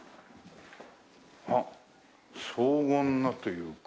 あっ荘厳なというか。